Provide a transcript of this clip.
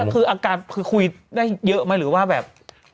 คุณเกี่ยวด้วยครับ